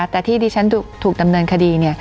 แต่ที่ดิฉันถูกดำเนินคดี